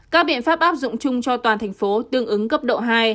các biện pháp áp dụng chung cho toàn thành phố tương ứng cấp độ hai